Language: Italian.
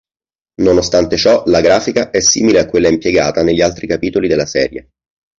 Nonostante ciò la grafica è simile a quella impiegata negli altri capitoli della serie.